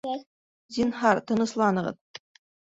Зинһар, тынысланығыҙ!